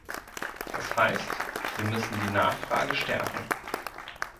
Das heißt, wir müssen die Nachfrage stärken.